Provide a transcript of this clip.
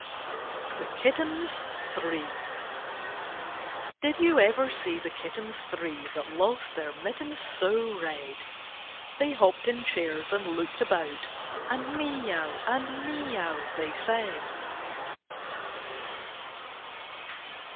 THE KITTENS THREE Did you ever see the kittens three That lost their mittens so red ? They hopped in chairs and loolied about, And 'mee ow' and 'mee ow,' they said.